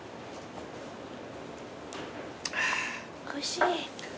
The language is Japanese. おいしい。